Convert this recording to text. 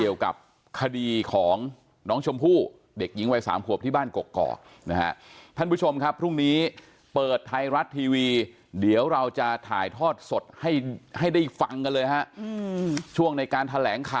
เกี่ยวกับคดีของน้องชมพู่เด็กหญิงวัยสามหัวผิวที่บ้านกก